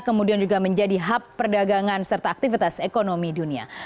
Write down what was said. kemudian juga menjadi hub perdagangan serta aktivitas ekonomi dunia